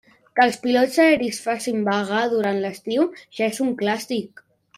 Que els pilots aeris facin vaga durant l'estiu, ja és un clàssic.